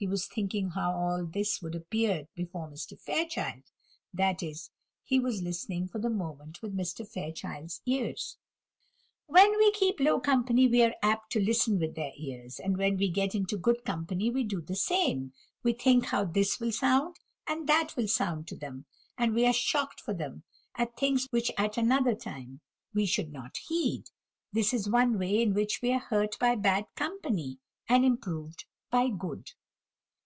He was thinking how all this would appear before Mr. Fairchild that is, he was listening for the moment with Mr. Fairchild's ears. When we keep low company we are apt to listen with their ears; and when we get into good company we do the same: we think how this will sound, and that will sound to them, and we are shocked for them, at things which at another time we should not heed; this is one way in which we are hurt by bad company, and improved by good.